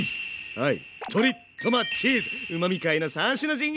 はい。